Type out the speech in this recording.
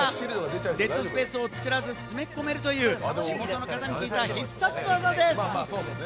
デッドスペースを作らず詰め込めるという地元の方に聞いた必殺技です。